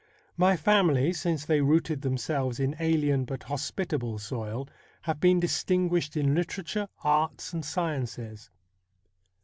My family, since they rooted themselves in alien but hospitable soil, have been distinguished in litera ture, arts, and sciences.